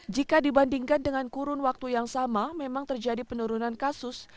jika dibandingkan dengan kurun waktu yang sama memang terjadi penurunan kasus